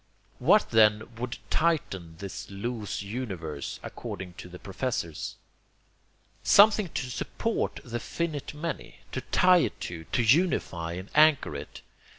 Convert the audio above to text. What then would tighten this loose universe, according to the professors? Something to support the finite many, to tie it to, to unify and anchor it.